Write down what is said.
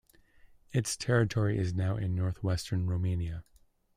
Its territory is now in north-western Romania.